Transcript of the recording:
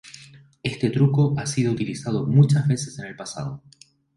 Este truco ha sido utilizado muchas veces en el pasado.